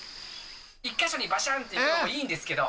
１か所にばしゃーんっていってもいいんですけど。